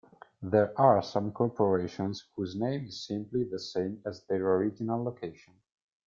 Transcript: There are some corporations whose name is simply the same as their original location.